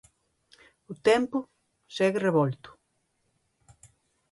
O tempo segue revolto.